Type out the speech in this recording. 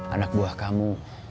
anak buah kamu